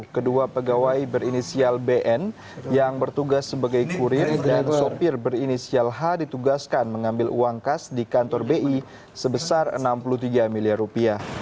kedua pegawai berinisial bn yang bertugas sebagai kurir dan sopir berinisial h ditugaskan mengambil uang kas di kantor bi sebesar enam puluh tiga miliar rupiah